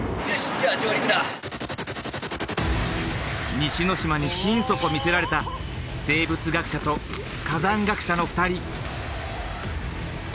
西之島に心底魅せられた生物学者と火山学者の２人。